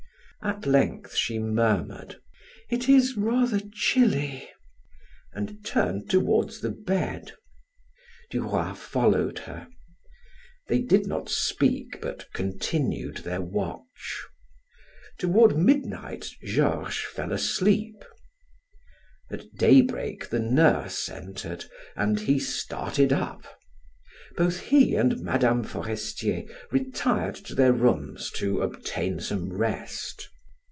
At length she murmured: "It is rather chilly," and turned toward the bed. Duroy followed her. They did not speak but continued their watch. Toward midnight Georges fell asleep. At daybreak the nurse entered and he started up. Both he and Mme. Forestier retired to their rooms to obtain some rest.